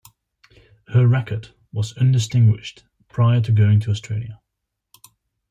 Her record was undistinguished prior to going to Australia.